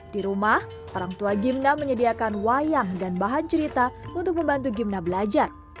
di rumah orang tua gimna menyediakan wayang dan bahan cerita untuk membantu gimna belajar